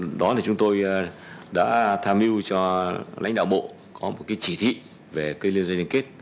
và tiếp đó là chúng tôi đã tham mưu cho lãnh đạo bộ có một cái chỉ thị về cây liên doanh liên kết